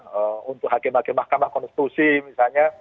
kemudian untuk hakim hakim mahkamah konstitusi misalnya